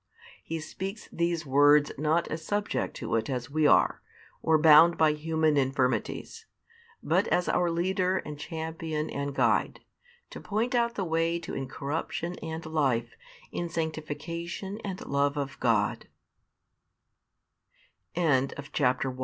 He speaks these words not as subject to it as we are, or bound by human infirmities; but as our leader and champion and guide, to point out the way to incorruption and life in sanctification and love of God. |363 CHAPTER II.